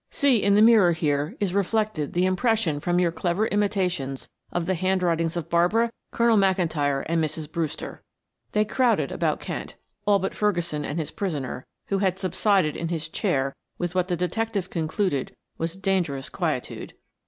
"See, in the mirror here is reflected the impression from your clever imitations of the handwritings of Barbara, Colonel McIntyre, and Mrs. Brewster." They crowded about Kent, all but Ferguson and his prisoner, who had subsided in his chair with what the detective concluded was dangerous quietude.